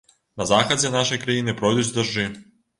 На захадзе нашай краіны пройдуць дажджы.